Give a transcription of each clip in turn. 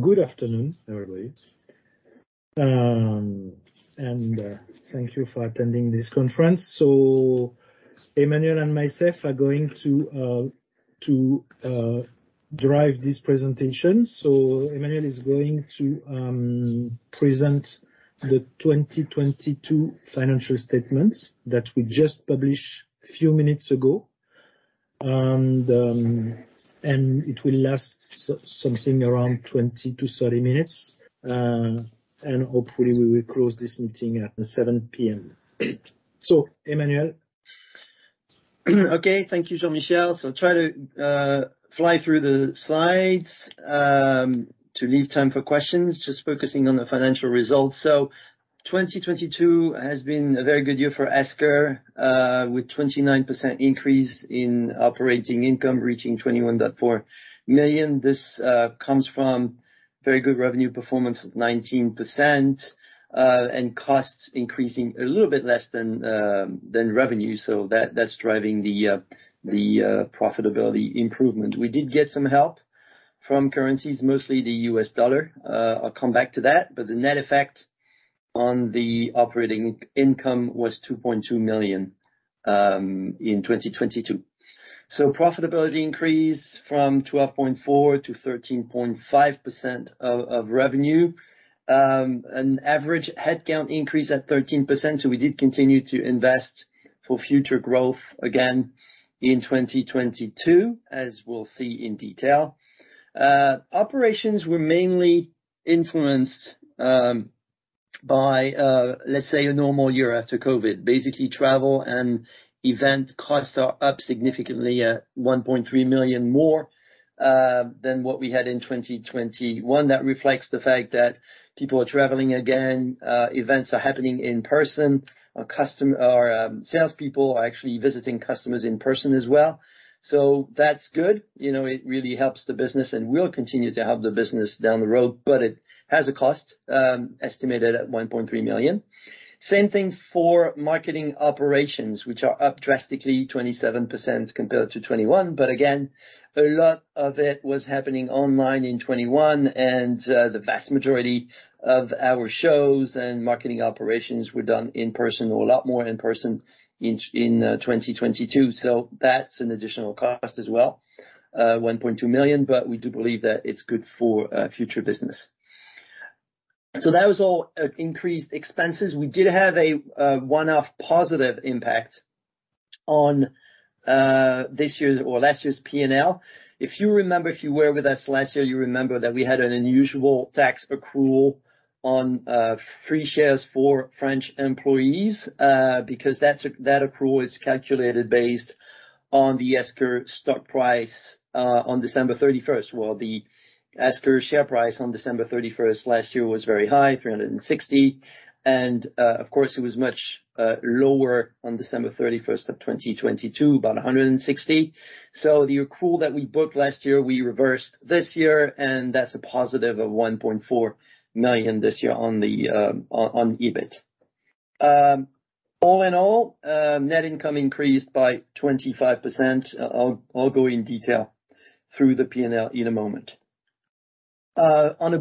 Good afternoon, everybody. Thank you for attending this conference. Emmanuel and myself are going to drive this presentation. Emmanuel is going to present the 2022 financial statements that we just published few minutes ago. It will last something around 20-30 minutes. Hopefully, we will close this meeting at 7:00 PM Emmanuel. Thank you, Jean Michel. Try to fly through the slides to leave time for questions, just focusing on the financial results. 2022 has been a very good year for Esker, with 29% increase in operating income reaching 21.4 million. This comes from very good revenue performance of 19%, and costs increasing a little bit less than revenue. That's driving the profitability improvement. We did get some help from currencies, mostly the U.S. dollar. I'll come back to that. The net effect on the operating income was 2.2 million in 2022. Profitability increased from 12.4%-13.5% of revenue. An average headcount increase at 13%. We did continue to invest for future growth again in 2022, as we'll see in detail. Operations were mainly influenced by, let's say a normal year after COVID. Basically, travel and event costs are up significantly at 1.3 million more than what we had in 2021. That reflects the fact that people are traveling again, events are happening in person. Our salespeople are actually visiting customers in person as well. That's good. You know, it really helps the business and will continue to help the business down the road, but it has a cost, estimated at 1.3 million. Same thing for marketing operations, which are up drastically, 27% compared to 2021. Again, a lot of it was happening online in 21, and the vast majority of our shows and marketing operations were done in person or a lot more in person in 2022. That's an additional cost as well, 1.2 million, we do believe that it's good for future business. That was all increased expenses. We did have a one-off positive impact on this year's or last year's P&L. If you remember, if you were with us last year, you remember that we had an unusual tax accrual on free shares for French employees, because that accrual is calculated based on the Esker stock price on December 31st. The Esker share price on December 31st last year was very high, 360. Of course, it was much lower on December 31, 2022, about 160. The accrual that we booked last year, we reversed this year, and that's a positive of 1.4 million this year on the EBIT. All in all, net income increased by 25%. I'll go in detail through the P&L in a moment. On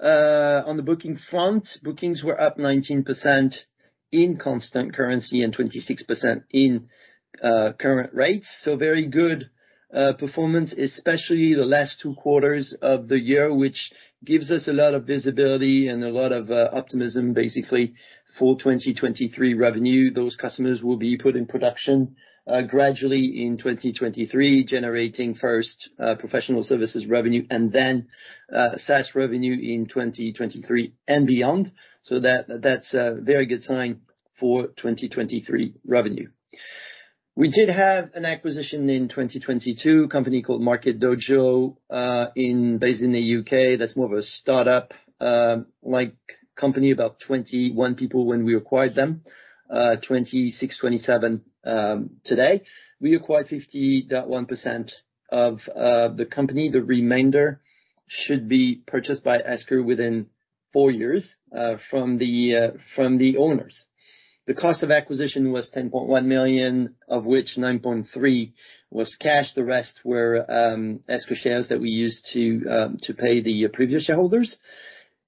the booking front, bookings were up 19% in constant currency and 26% in current rates. Very good performance, especially the last two quarters of the year, which gives us a lot of visibility and a lot of optimism, basically for 2023 revenue. Those customers will be put in production, gradually in 2023, generating first professional services revenue and then SaaS revenue in 2023 and beyond. That's a very good sign for 2023 revenue. We did have an acquisition in 2022, a company called Market Dojo, based in the U.K. That's more of a startup, like company, about 21 people when we acquired them. 26, 27 today. We acquired 50.1% of the company. The remainder should be purchased by Esker within four years from the owners. The cost of acquisition was 10.1 million, of which 9.3 was cash. The rest were Esker shares that we used to pay the previous shareholders.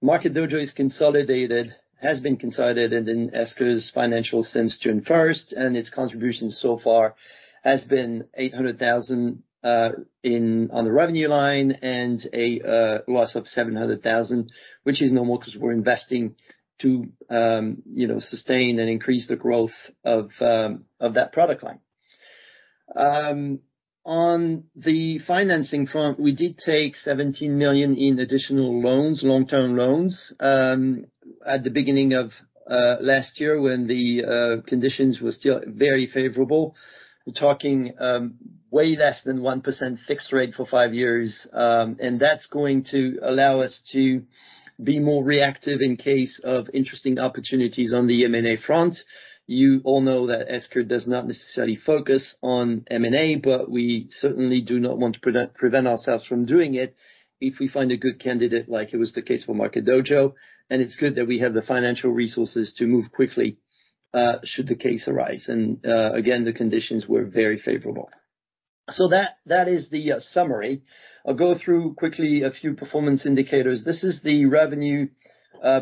Market Dojo is consolidated, has been consolidated in Esker's financials since June 1st. Its contribution so far has been 800,000 on the revenue line and a loss of 700,000, which is normal because we're investing to, you know, sustain and increase the growth of that product line. On the financing front, we did take 17 million in additional loans, long-term loans, at the beginning of last year when the conditions were still very favorable. We're talking way less than 1% fixed rate for five years. That's going to allow us to be more reactive in case of interesting opportunities on the M&A front. You all know that Esker does not necessarily focus on M&A, but we certainly do not want to prevent ourselves from doing it if we find a good candidate like it was the case for Market Dojo. It's good that we have the financial resources to move quickly should the case arise. Again, the conditions were very favorable. That is the summary. I'll go through quickly a few performance indicators. This is the revenue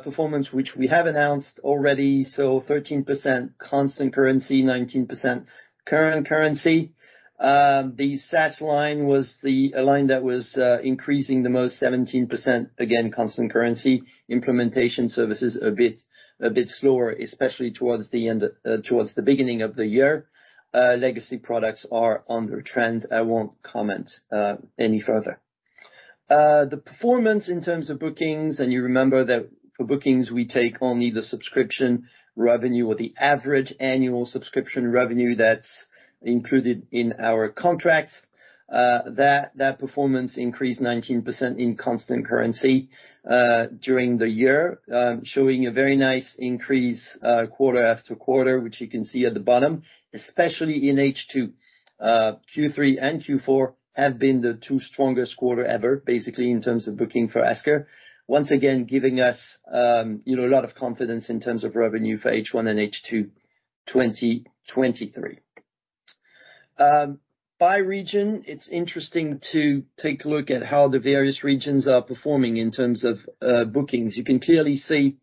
performance which we have announced already. 13% constant currency, 19% current currency. The SaaS line was the line that was increasing the most 17%, again, constant currency. Implementation services a bit slower, especially towards the beginning of the year. Legacy products are on the trend. I won't comment any further. The performance in terms of bookings, and you remember that for bookings, we take only the subscription revenue or the average annual subscription revenue that's included in our contracts. That performance increased 19% in constant currency during the year, showing a very nice increase quarter after quarter, which you can see at the bottom, especially in H2. Q3 and Q4 have been the two strongest quarter ever, basically, in terms of booking for Esker. Once again, giving us, you know, a lot of confidence in terms of revenue for H1 and H2 2023. By region, it's interesting to take a look at how the various regions are performing in terms of bookings. You can clearly see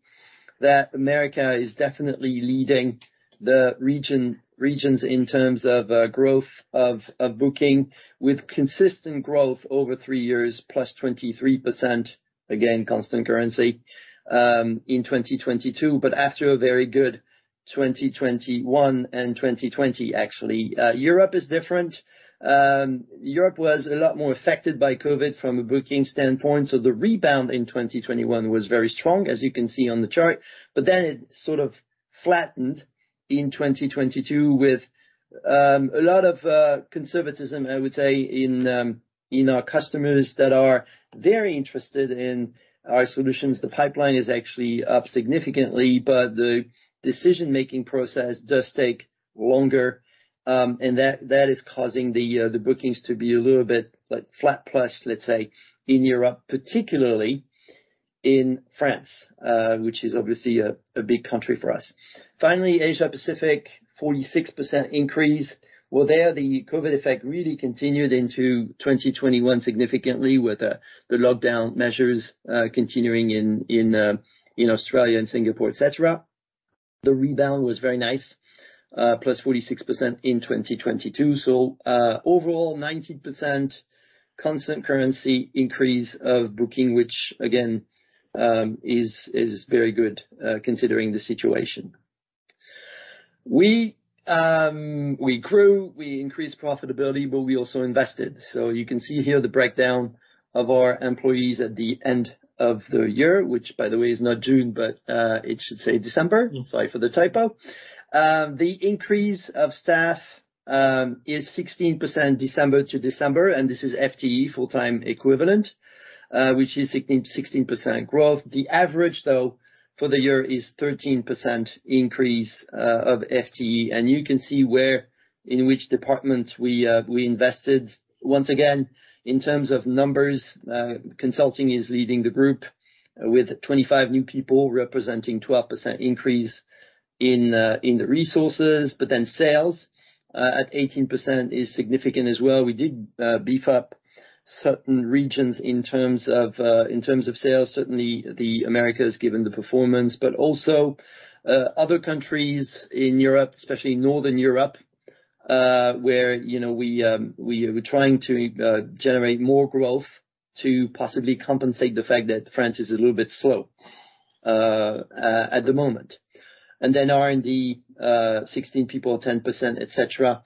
that America is definitely leading the regions in terms of growth of booking with consistent growth over three years, +23%, again, constant currency, in 2022. After a very good 2021 and 2020, actually. Europe is different. Europe was a lot more affected by COVID from a booking standpoint, the rebound in 2021 was very strong, as you can see on the chart. It sort of flattened in 2022 with a lot of conservatism, I would say, in our customers that are very interested in our solutions. The pipeline is actually up significantly, but the decision-making process does take longer, and that is causing the bookings to be a little bit flat plus, let's say, in Europe, particularly in France, which is obviously a big country for us. Asia-Pacific, 46% increase, where there, the COVID effect really continued into 2021 significantly with the lockdown measures continuing in Australia and Singapore, etc. The rebound was very nice, +46% in 2022. Overall, 19% constant currency increase of booking, which again, is very good, considering the situation. We grew, we increased profitability, but we also invested. You can see here the breakdown of our employees at the end of the year, which by the way, is not June, but it should say December. Sorry for the typo. The increase of staff is 16% December to December, and this is FTE, full-time equivalent, which is 16% growth. The average, though, for the year is 13% increase of FTE. You can see where in which department we invested. Once again, in terms of numbers, consulting is leading the group with 25 new people, representing 12% increase in the resources. Sales at 18% is significant as well. We did beef up certain regions in terms of in terms of sales. Certainly, the Americas given the performance. Also, other countries in Europe, especially Northern Europe, where, you know, we're trying to generate more growth to possibly compensate the fact that France is a little bit slow at the moment. Then R&D, 16 people, 10%, etc.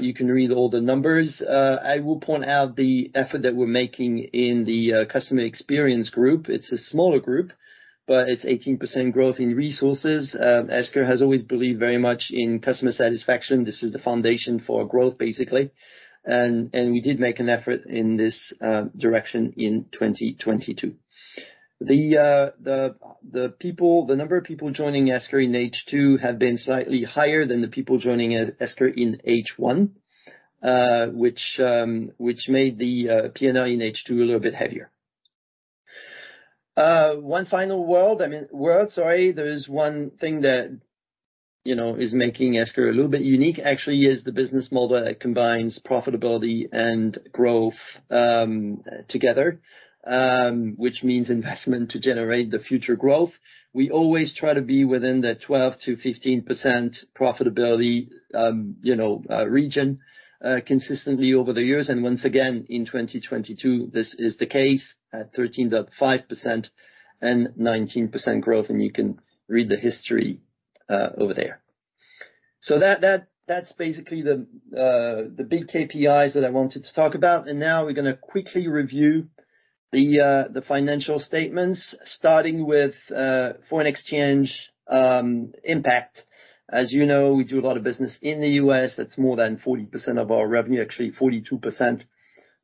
You can read all the numbers. I will point out the effort that we're making in the customer experience group. It's a smaller group, but it's 18% growth in resources. Esker has always believed very much in customer satisfaction. This is the foundation for growth, basically. We did make an effort in this direction in 2022. The number of people joining Esker in H2 have been slightly higher than the people joining Esker in H1, which made the P&L in H2 a little bit heavier. One final word, I mean, sorry. There is one thing that, you know, is making Esker a little bit unique, actually, is the business model that combines profitability and growth together, which means investment to generate the future growth. We always try to be within the 12%-15% profitability, you know, region, consistently over the years. Once again, in 2022, this is the case at 13.5% and 19% growth. You can read the history over there. That's basically the big KPIs that I wanted to talk about. Now we're gonna quickly review the financial statements, starting with foreign exchange impact. As you know, we do a lot of business in the U.S. That's more than 40% of our revenue, actually 42%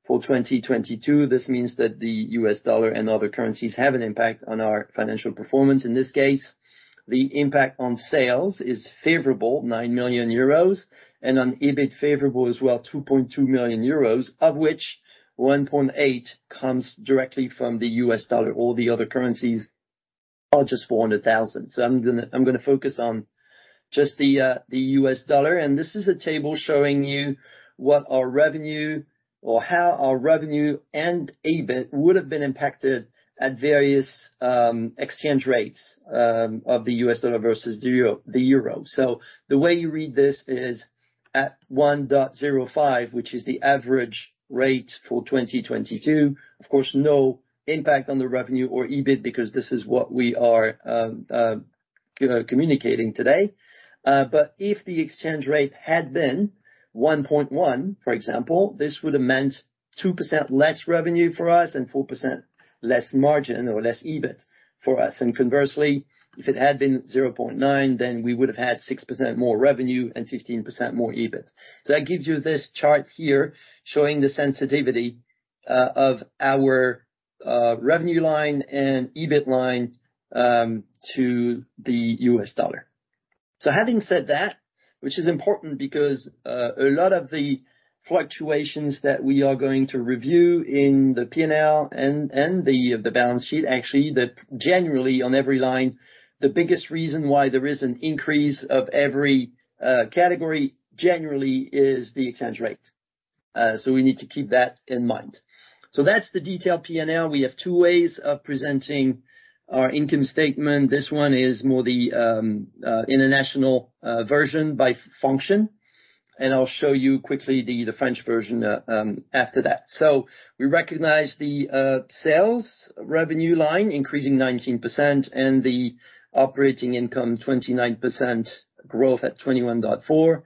for 2022. This means that the U.S. dollar and other currencies have an impact on our financial performance. In this case, the impact on sales is favorable, 9 million euros, and on EBIT favorable as well, 2.2 million euros, of which 1.8 million comes directly from the U.S. dollar. All the other currencies just 400,000. I'm gonna focus on just the U.S. dollar. This is a table showing you what our revenue or how our revenue and EBIT would have been impacted at various exchange rates of the U.S. dollar versus the Euro. The way you read this is at 1.05, which is the average rate for 2022. Of course, no impact on the revenue or EBIT because this is what we are communicating today. But if the exchange rate had been 1.1, for example, this would have meant 2% less revenue for us and 4% less margin or less EBIT for us. Conversely, if it had been 0.9, then we would have had 6% more revenue and 15% more EBIT. That gives you this chart here showing the sensitivity of our revenue line and EBIT line to the U.S. dollar. Having said that, which is important because a lot of the fluctuations that we are going to review in the P&L and the balance sheet, actually, that generally on every line, the biggest reason why there is an increase of every category generally is the exchange rate. We need to keep that in mind. That's the detailed P&L. We have two ways of presenting our income statement. This one is more the international version by function. I'll show you quickly the French version after that. We recognize the sales revenue line increasing 19% and the operating income 29% growth at 21.4.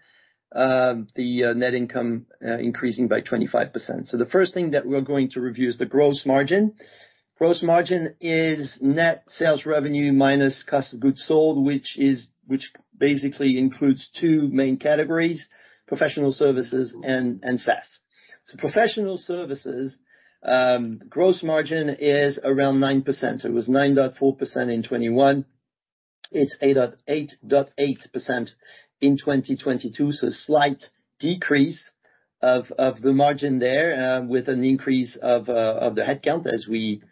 The net income increasing by 25%. The first thing that we're going to review is the gross margin. Gross margin is net sales revenue minus cost of goods sold, which basically includes two main categories, professional services and SaaS. Professional services gross margin is around 9%. It was 9.4% in 2021. It's 8.8% in 2022. Slight decrease of the margin there with an increase of the headcount as we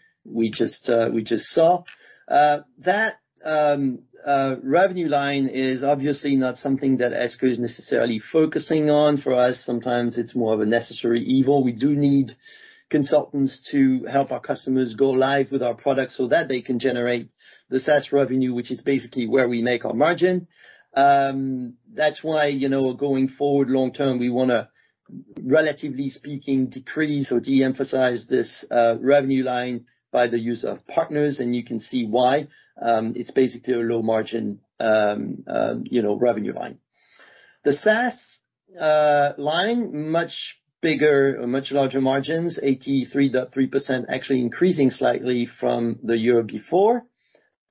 just saw. That revenue line is obviously not something that Esker is necessarily focusing on. For us, sometimes it's more of a necessary evil. We do need consultants to help our customers go live with our products so that they can generate the SaaS revenue, which is basically where we make our margin. That's why, you know, going forward long term, we wanna, relatively speaking, decrease or de-emphasize this revenue line by the use of partners, and you can see why. It's basically a low margin, you know, revenue line. The SaaS line, much bigger or much larger margins, 83.3%, actually increasing slightly from the year before.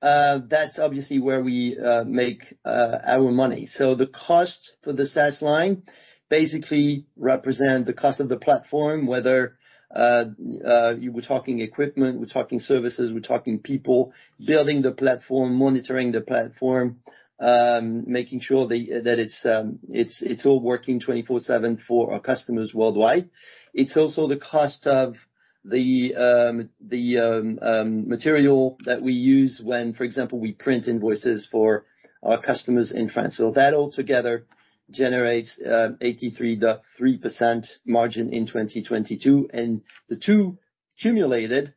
That's obviously where we make our money. The cost for the SaaS line basically represent the cost of the platform, whether we're talking equipment, we're talking services, we're talking people, building the platform, monitoring the platform, making sure that it's all working 24/7 for our customers worldwide. It's also the cost of the material that we use when, for example, we print invoices for our customers in France. That all together generates 83.3% margin in 2022. The two cumulated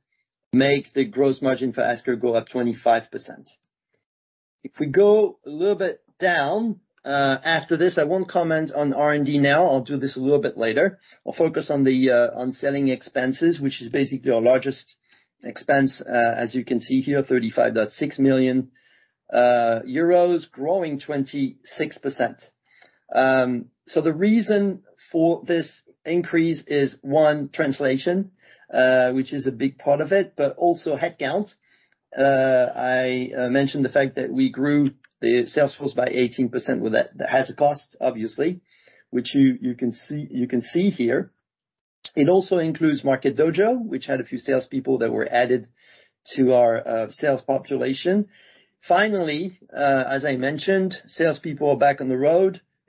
make the gross margin for Esker go up 25%. If we go a little bit down after this, I won't comment on R&D now. I'll do this a little bit later. I'll focus on the on selling expenses, which is basically our largest expense, as you can see here, 35.6 million euros, growing 26%. The reason for this increase is one, translation, which is a big part of it, but also headcount. I mentioned the fact that we grew the sales force by 18%. That has a cost, obviously, which you can see here. It also includes Market Dojo, which had a few salespeople that were added to our sales population. As I mentioned, salespeople are back on the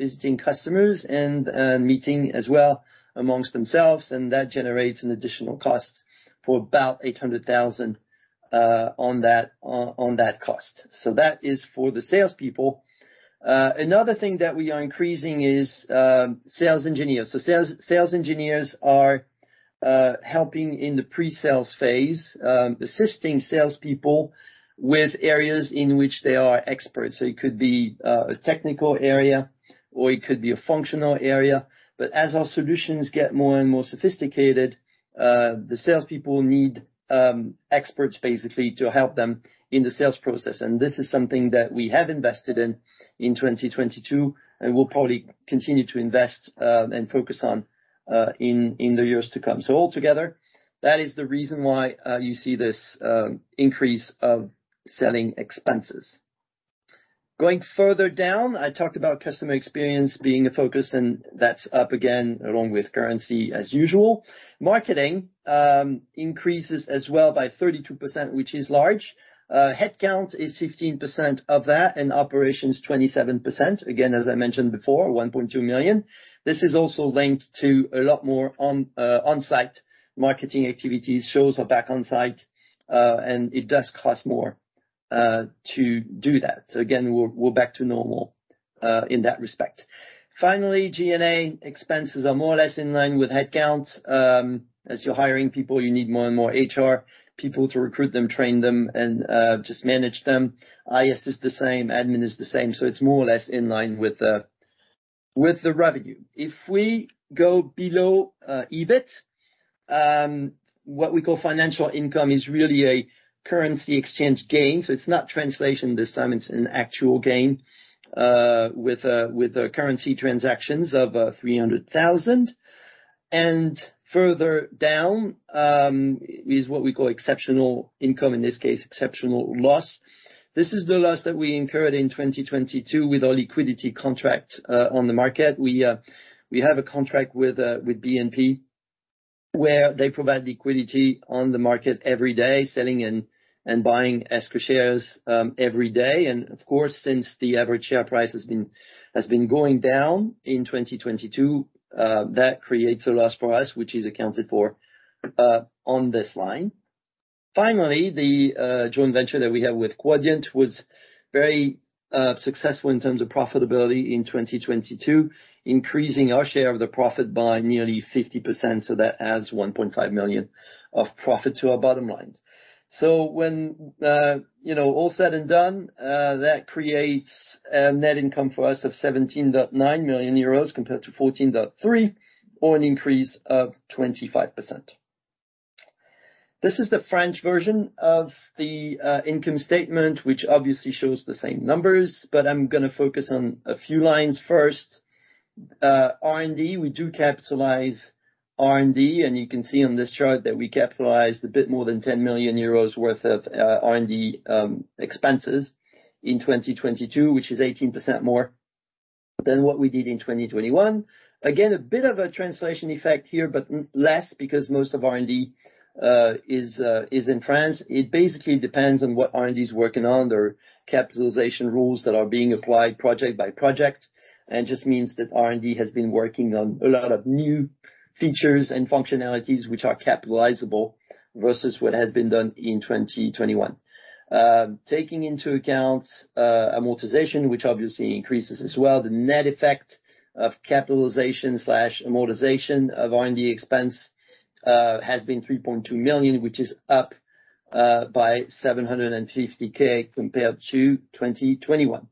road visiting customers and meeting as well amongst themselves, and that generates an additional cost for about 800,000 on that cost. That is for the salespeople. Another thing that we are increasing is sales engineers. Sales engineers are helping in the pre-sales phase, assisting salespeople with areas in which they are experts. It could be a technical area or it could be a functional area. As our solutions get more and more sophisticated, the salespeople need experts basically to help them in the sales process. This is something that we have invested in in 2022, and we'll probably continue to invest and focus on in the years to come. Altogether, that is the reason why you see this increase of selling expenses. Going further down, I talked about customer experience being a focus, and that's up again, along with currency as usual. Marketing increases as well by 32%, which is large. Headcount is 15% of that, and operations, 27%. Again, as I mentioned before, 1.2 million. This is also linked to a lot more on-site marketing activities. Shows are back on-site and it does cost more to do that. Again, we're back to normal in that respect. Finally, SG&A expenses are more or less in line with headcount. As you're hiring people, you need more and more HR people to recruit them, train them, and just manage them. IS is the same, admin is the same, it's more or less in line with the, with the revenue. If we go below EBIT, what we call financial income is really a currency exchange gain. It's not translation this time, it's an actual gain with the currency transactions of 300,000. Further down is what we call exceptional income, in this case, exceptional loss. This is the loss that we incurred in 2022 with our liquidity contract on the market. We have a contract with BNP, where they provide liquidity on the market every day, selling and buying Esker shares every day. Of course, since the average share price has been going down in 2022, that creates a loss for us which is accounted for on this line. The joint venture that we have with Quadient was very successful in terms of profitability in 2022, increasing our share of the profit by nearly 50%, that adds 1.5 million of profit to our bottom line. When, you know, all said and done, that creates a net income for us of 17.9 million euros compared to 14.3 million, or an increase of 25%. This is the French version of the income statement, which obviously shows the same numbers, I'm gonna focus on a few lines first. R&D, we do capitalize R&D, and you can see on this chart that we capitalized a bit more than 10 million euros worth of R&D expenses in 2022, which is 18% more than what we did in 2021. Again, a bit of a translation effect here, but less because most of R&D is in France. It basically depends on what R&D is working on. There are capitalization rules that are being applied project by project, and just means that R&D has been working on a lot of new features and functionalities which are capitalizable versus what has been done in 2021. Taking into account, amortization, which obviously increases as well, the net effect of capitalization slash amortization of R&D expense has been 3.2 million, which is up by 750K compared to 2021.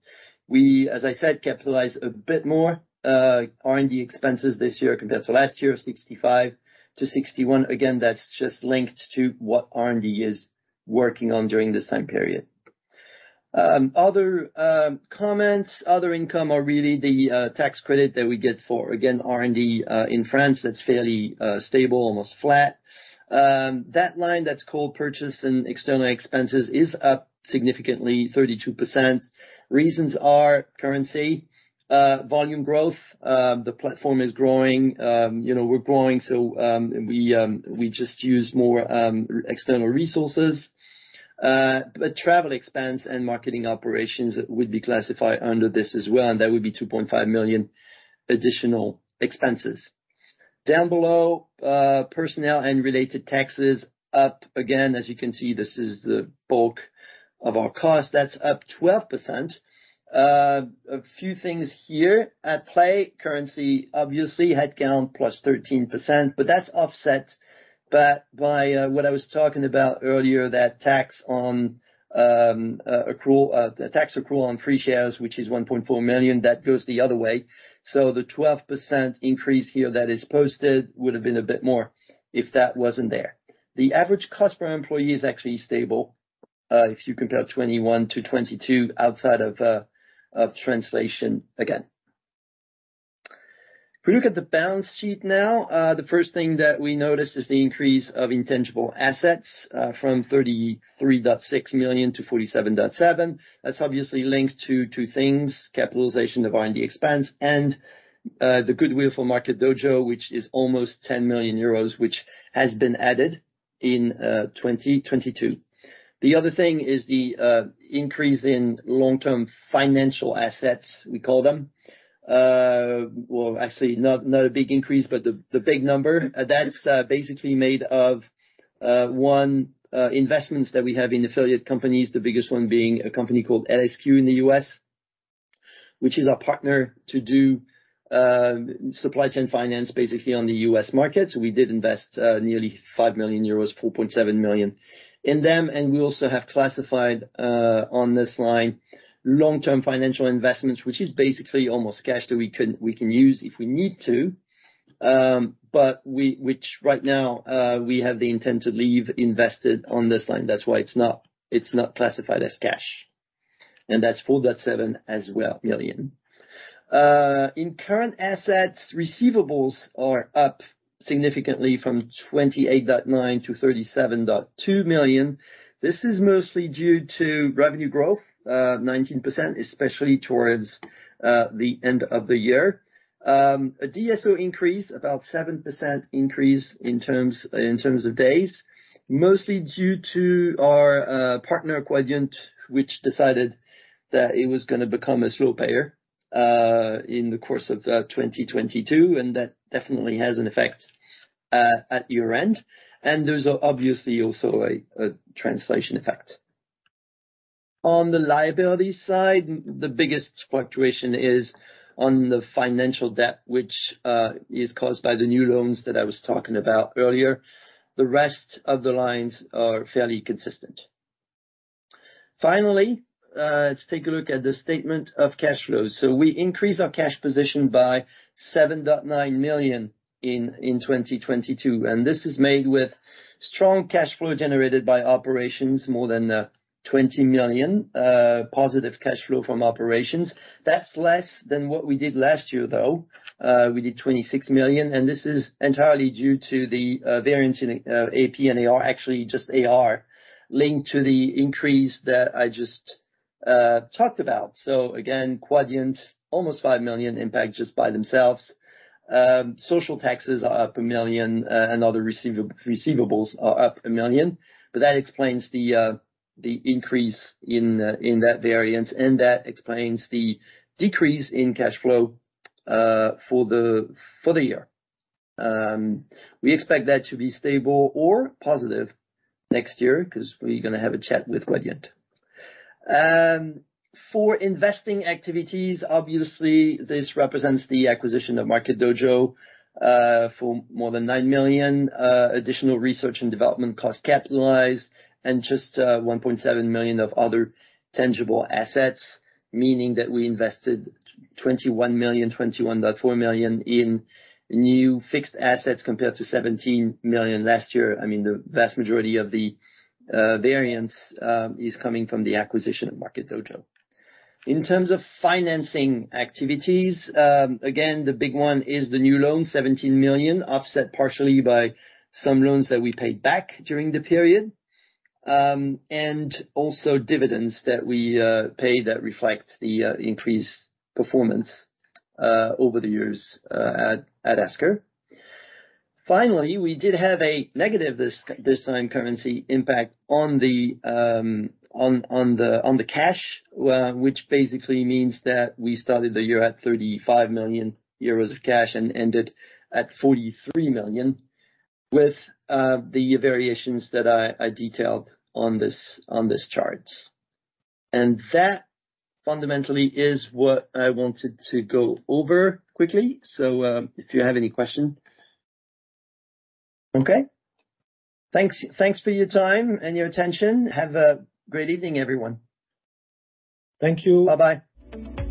We, as I said, capitalize a bit more R&D expenses this year compared to last year, 65-61. Again, that's just linked to what R&D is working on during this time period. Other comments, other income are really the tax credit that we get for, again, R&D in France, that's fairly stable, almost flat. That line that's called purchase and external expenses is up significantly 32%. Reasons are currency, volume growth. The platform is growing, you know, we're growing, so we just use more external resources. Travel expense and marketing operations would be classified under this as well, and that would be 2.5 million additional expenses. Down below, personnel and related taxes up again. As you can see, this is the bulk of our cost. That's up 12%. A few things here at play, currency obviously, headcount plus 13%, but that's offset by what I was talking about earlier, that tax accrual on free shares, which is 1.4 million, that goes the other way. The 12% increase here that is posted would have been a bit more if that wasn't there. The average cost per employee is actually stable if you compare 2021-2022 outside of translation again. If we look at the balance sheet now, the first thing that we notice is the increase of intangible assets, from 33.6 million-47.7 million. That's obviously linked to two things, capitalization of R&D expense and the goodwill for Market Dojo, which is almost 10 million euros, which has been added in 2022. The other thing is the increase in long-term financial assets, we call them. Well, actually not a big increase, but the big number. That's basically made of one investments that we have in affiliate companies, the biggest one being a company called LSQ in the U.S., which is our partner to do supply chain finance basically on the U.S. market. We did invest nearly 5 million euros, 4.7 million in them. We also have classified on this line long-term financial investments, which is basically almost cash that we can use if we need to. Which right now, we have the intent to leave invested on this line. That's why it's not classified as cash. That's 4.7 million as well. In current assets, receivables are up significantly from 28.9 million to 37.2 million. This is mostly due to revenue growth, 19%, especially towards the end of the year. A DSO increase, about 7% increase in terms of days, mostly due to our partner, Quadient, which decided that it was gonna become a slow payer in the course of 2022, that definitely has an effect at year-end. There's obviously also a translation effect. On the liability side, the biggest fluctuation is on the financial debt, which is caused by the new loans that I was talking about earlier. The rest of the lines are fairly consistent. Finally, let's take a look at the statement of cash flows. We increased our cash position by 7.9 million in 2022, and this is made with strong cash flow generated by operations, more than 20 million positive cash flow from operations. That's less than what we did last year, though. We did 26 million, and this is entirely due to the variance in AP and AR, actually just AR, linked to the increase that I just talked about. Again, Quadient, almost 5 million impact just by themselves. Social taxes are up 1 million, other receivables are up 1 million. That explains the increase in that variance, and that explains the decrease in cash flow for the year. We expect that to be stable or positive next year because we're gonna have a chat with Quadient. For investing activities, obviously this represents the acquisition of Market Dojo for more than 9 million, additional research and development costs capitalized, and just 1.7 million of other tangible assets, meaning that we invested 21 million, 21.4 million in new fixed assets compared to 17 million last year. I mean, the vast majority of the variance is coming from the acquisition of Market Dojo. In terms of financing activities, again, the big one is the new loan, 17 million, offset partially by some loans that we paid back during the period, and also dividends that we paid that reflect the increased performance over the years at Esker. We did have a negative currency impact on the cash, which basically means that we started the year at 35 million euros of cash and ended at 43 million with the variations that I detailed on this charts. That fundamentally is what I wanted to go over quickly. If you have any questions? Okay. Thanks for your time and your attention. Have a great evening, everyone. Thank you. Bye-bye.